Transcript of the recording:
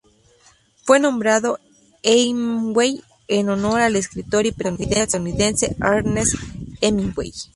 Fue nombrado Hemingway en honor al escritor y periodista estadounidense Ernest Hemingway.